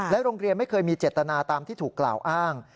โรงเรียนไม่เคยมีเจตนาตามที่ถูกกล่าวอ้าง